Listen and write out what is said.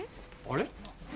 あれ？